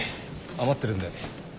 余ってるんで。